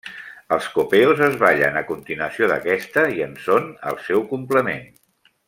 Els copeos es ballen a continuació d'aquesta, i en són el seu complement.